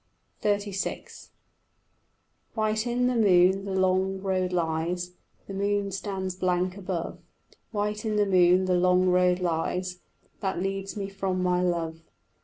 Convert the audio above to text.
XXXVI White in the moon the long road lies, The moon stands blank above; White in the moon the long road lies That leads me from my love.